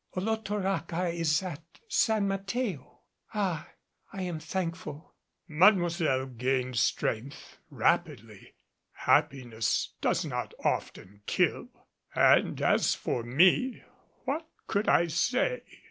"Olotoraca is at San Mateo." "Ah, I am thankful." Mademoiselle gained strength rapidly. Happiness does not often kill. And as for me, what could I say?